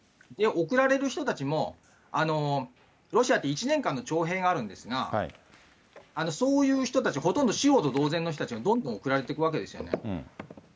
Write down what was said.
送られる人たちも、ロシアって、１年間の徴兵があるんですが、そういう人たち、ほとんど素人同然の人たちがどんどん送られていくわけですよね。